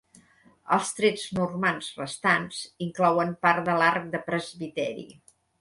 Els trets normands restants inclouen part de l'arc de presbiteri.